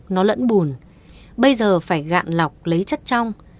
nó lẫn bùn bây giờ phải cạn lọc lấy chất trong